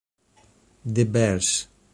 The Bells